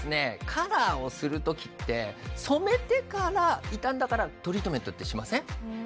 カラーをするときって染めてから傷んだからトリートメントってしません？